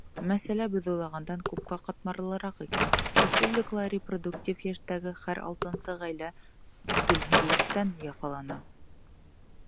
Мәсьәлә беҙ уйлағандан күпкә ҡатмарлыраҡ икән: республикала репродуктив йәштәге һәр алтынсы ғаилә түлһеҙлектән яфалана.